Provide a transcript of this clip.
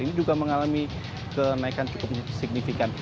ini juga mengalami kenaikan cukup signifikan